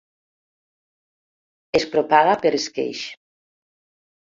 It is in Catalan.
Es propaga per esqueix.